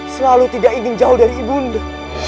selalu tidak ingin jauh dari ibu nda